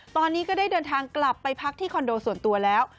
ตอนนี้ก็ได้เดินทางกลับไปพักที่คอนโดส่วนตัวแล้ว